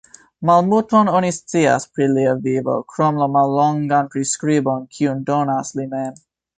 Malmulton oni scias pri lia vivo krom la mallongan priskribon kiun donas li mem.